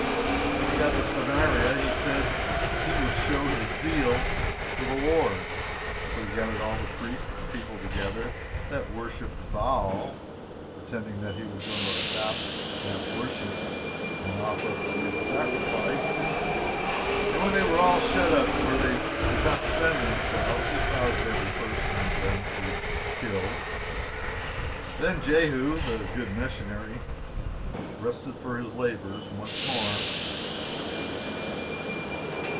When he got to Samaria, he said he would show his zeal for the Lord; so he gathered all the priests and people together that worshiped Baal, pretending that he was going to adopt that worship and offer up a great sacrifice; and when they were all shut up where they could not defend themselves, he caused every person of them to be killed. Then Jehu, the good missionary, rested from his labors once more.